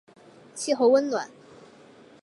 气候温暖。